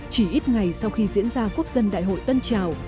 chỉ ít ngày sau khi diễn ra quốc dân đại hội tân trào